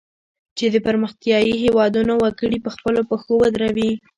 چې د پرمختیایي هیوادونو وګړي په خپلو پښو ودروي.